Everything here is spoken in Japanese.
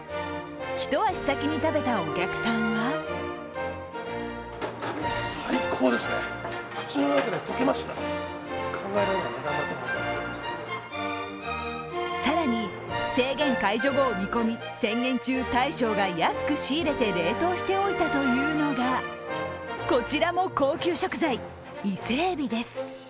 一足先に食べたお客さんは更に、制限解除後を見込み宣言中大将が安く仕入れて冷凍しておいたというのがこちらも高級食材、伊勢えびです。